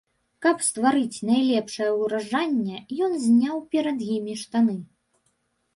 Каб стварыць найлепшае ўражанне, ён зняў перад імі штаны.